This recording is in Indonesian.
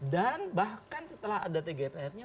dan bahkan setelah ada tgpf nya